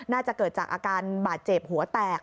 น่าจะเกิดจากอาการบาดเจ็บหัวแตก